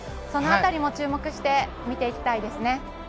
その辺りも注目して見ていきたいですね。